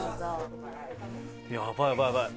やばいやばいやばい！